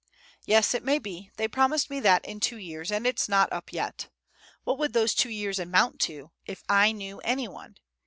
"Yes, it may be: they promised me that in two years, and it's not up yet. What would those two years amount to, if I knew any one!